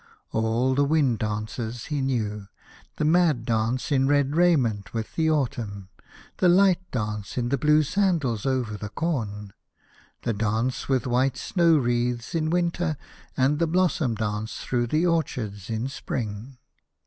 All the wind dances he knew, the mad dance in red raiment with the autumn, the light dance in blue sandals over the corn, the dance with white snow wreaths in winter, and the blossom dance through the orchards in spring.